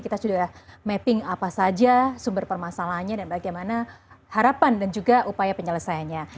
kita sudah mapping apa saja sumber permasalahannya dan bagaimana harapan dan juga upaya penyelesaiannya